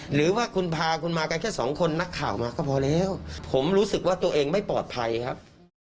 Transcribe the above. หรือว่าคุณพาคุณมากันแค่สองคนนักข่าวมาก็พอแล้วผมรู้สึกว่าตัวเองไม่ปลอดภัยครับ